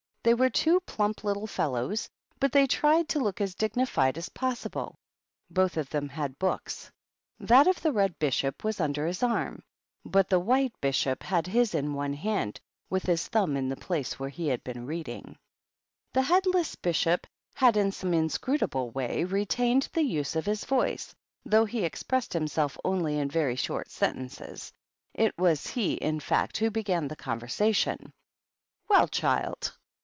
They were two plump little fellows, but they tried to look as dignified as possible. Both of them had books ; that of the Red Bishop was under his arm ; but the White Bishop had his in one hand, with his thumb in the place where he had been reading. The headless Bishop had in some inscrutable way retained the use of his voice, though he ex pressed himself only in very short sentences. It was he, in fact, who began the conversation. "Well, child!"